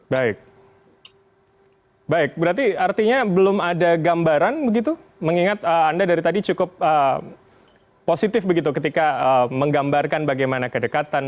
baik baik berarti artinya belum ada gambaran begitu mengingat anda dari tadi cukup positif begitu ketika menggambarkan bagaimana kedekatan